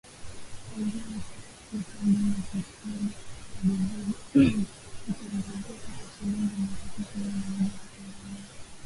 kuanzia Aprili sita bei ya petroli na dizeli itaongezeka kwa shilingi mia tatu ishirini na moja za Tanzania.